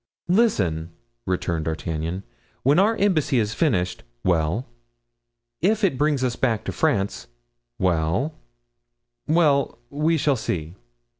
"Listen," returned D'Artagnan, "when our embassy is finished——" "Well?" "If it brings us back to France——" "Well?" "Well, we shall see."